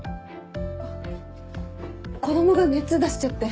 あっ子供が熱出しちゃって。